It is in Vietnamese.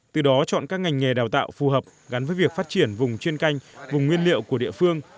từ đó chọn các ngành nghề đào tạo phù hợp gắn với việc phát triển vùng chuyên canh vùng nguyên liệu của địa phương